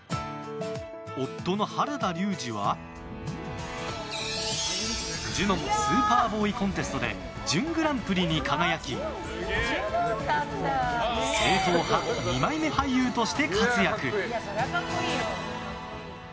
夫の原田龍二はジュノン・スーパーボーイ・コンテストで準グランプリに輝き正統派二枚目俳優として活躍。